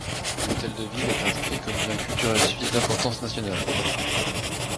L'hôtel de ville est inscrit comme bien culturel suisse d'importance nationale.